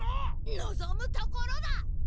のぞむところだ！